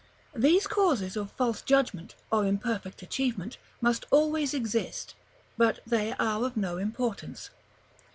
These causes of false judgment, or imperfect achievement, must always exist, but they are of no importance.